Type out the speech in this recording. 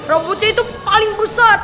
robotnya itu paling besar